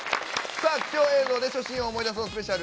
さあ、貴重映像で初心を思い出そうスペシャル。